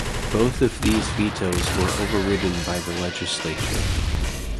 Both of these vetoes were overridden by the legislature.